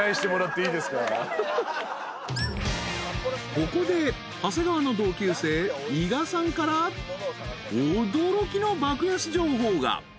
［ここで長谷川の同級生伊賀さんから驚きの爆安情報が］